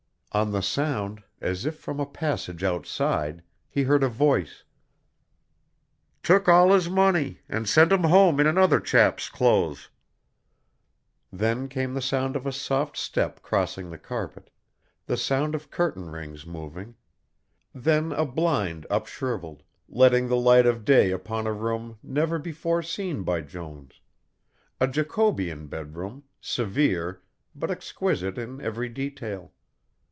On the sound, as if from a passage outside, he heard a voice: "Took all his money, and sent him home in another chap's clothes." Then came the sound of a soft step crossing the carpet, the sound of curtain rings moving then a blind upshrivelled letting the light of day upon a room never before seen by Jones, a Jacobean bed room, severe, but exquisite in every detail.